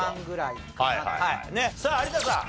さあ有田さん。